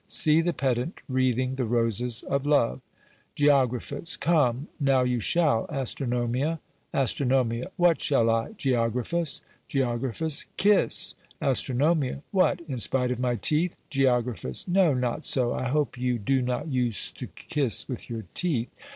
See the pedant wreathing the roses of Love! "Geog. Come, now you shall, Astronomia. Ast. What shall I, Geographus? Geog. Kisse! Ast. What, in spite of my teeth! Geog. No, not so! I hope you do not use to kisse with your teeth.